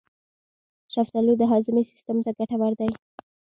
شفتالو د هاضمې سیستم ته ګټور دی.